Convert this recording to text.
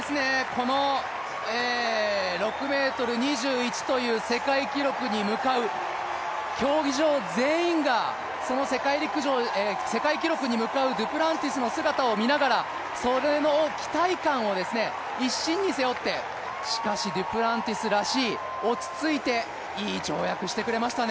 この６ｍ２１という世界記録に向かう、競技場全員がその世界記録に向かうデュプランティスの姿を見ながら、その期待感を一身に背負ってしかし、デュプランティスらしい、落ち着いていい跳躍してれました